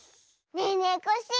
ねえねえコッシー